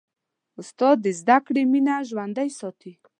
استاد د زدهکړو مینه ژوندۍ ساتي.